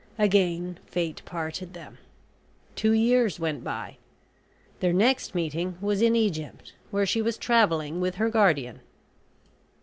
Again fate parted them. Two years went by. Their next meeting was in Egypt, where she was travelling with her guardian.